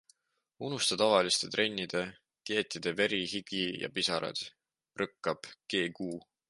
Unusta tavaliste trennide-dieetide veri, higi ja pisarad, rõkkab GQ.